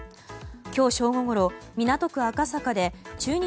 今日正午ごろ、港区赤坂で駐日